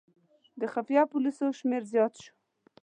د خفیه پولیسو شمېر زیات شو.